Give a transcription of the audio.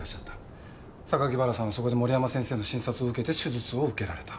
榊原さんはそこで森山先生の診察を受けて手術を受けられた。